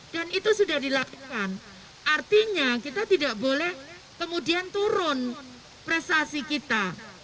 dan itu sudah dilakukan artinya kita tidak boleh kemudian turun prestasi kita